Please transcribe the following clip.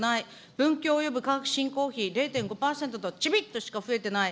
文教及び科学振興費０．５％と、ちびっとしか増えてない。